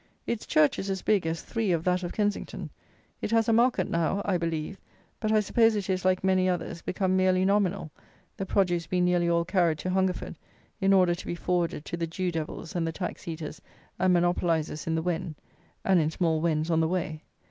Its church is as big as three of that of Kensington. It has a market now, I believe; but, I suppose, it is, like many others, become merely nominal, the produce being nearly all carried to Hungerford, in order to be forwarded to the Jew devils and the tax eaters and monopolizers in the Wen, and in small Wens on the way.